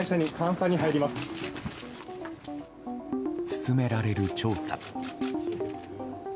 進められる調査。